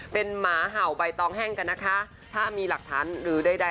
เป็นหมาเห่าใบตองแห้งกันนะคะถ้ามีหลักฐานหรือใด